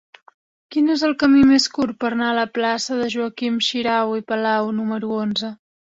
Quin és el camí més curt per anar a la plaça de Joaquim Xirau i Palau número onze?